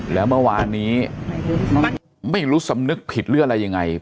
แล้วเมื่อวานนี้ไม่รู้สำนึกผิดหรืออะไรยังไง